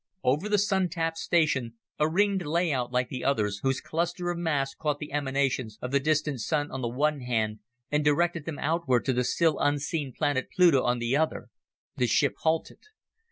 Over the Sun tap station a ringed layout like the others, whose cluster of masts caught the emanations of the distant Sun on the one hand and directed them outward to the still unseen planet Pluto on the other the ship halted.